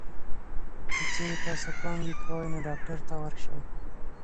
که چېرې تاسو کانګې کوئ، نو ډاکټر ته ورشئ.